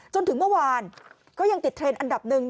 จนถึงเมื่อวานก็ยังติดเทรนด์อันดับหนึ่ง